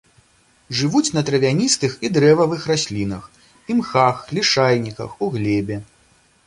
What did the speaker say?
Жывуць на травяністых і дрэвавых раслінах, імхах, лішайніках, у глебе.